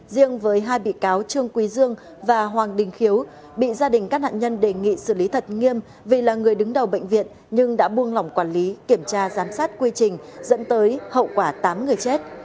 riêng với hai bị cáo trương quý dương và hoàng đình khiếu bị gia đình các nạn nhân đề nghị xử lý thật nghiêm vì là người đứng đầu bệnh viện nhưng đã buông lỏng quản lý kiểm tra giám sát quy trình dẫn tới hậu quả tám người chết